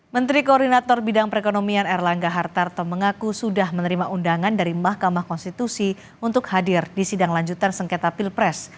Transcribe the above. menteri koordinator bidang perekonomian erlangga hartarto mengaku sudah menerima undangan dari mahkamah konstitusi untuk hadir di sidang lanjutan sengketa pilpres